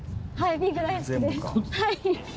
はい。